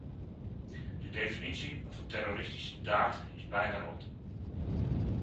De definitie van terroristische daad is bijna rond.